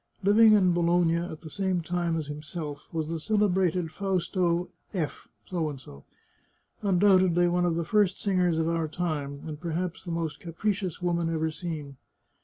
Living in Bologna at the same time as himself, was the celebrated Fausta F , undoubtedly one of the first singers of our time, and perhaps the most capricious woman ever seen.